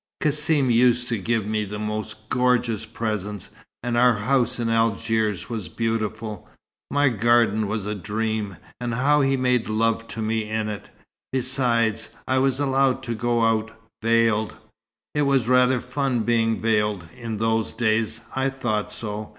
Cassim used to give me the most gorgeous presents, and our house in Algiers was beautiful. My garden was a dream and how he made love to me in it! Besides, I was allowed to go out, veiled. It was rather fun being veiled in those days, I thought so.